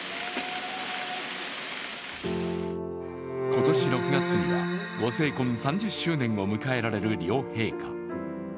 今年６月にはご成婚３０周年を迎えられる両陛下。